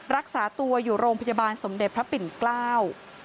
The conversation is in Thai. รักษาตัวอยู่โรงพยาบาลสมเด็จพระปิ่นเกล้า